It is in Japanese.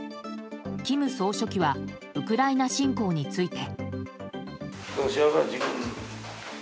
金総書記はウクライナ侵攻について。